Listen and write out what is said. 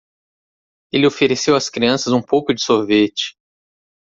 Ele ofereceu às crianças um pouco de sorvete.